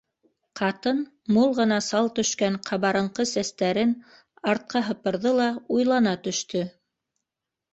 Ҡатын, мул ғына сал төшкән ҡабарынҡы сәстәрен артҡа һыпырҙы ла уйлана төштө: